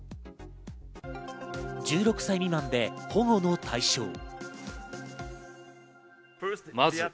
１６歳未満で保護の対象。